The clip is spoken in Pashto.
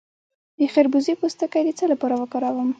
د خربوزې پوستکی د څه لپاره وکاروم؟